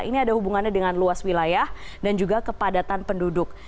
ini ada hubungannya dengan luas wilayah dan juga kepadatan penduduk